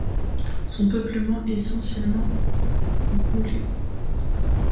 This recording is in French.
Son peuplement est essentiellement Baoulé.